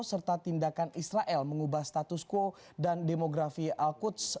serta tindakan israel mengubah status quo dan demografi al quds